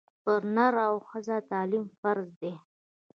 پر نر او ښځه تعلیم فرض دی